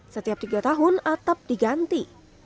setiap tiga tahun atap diganti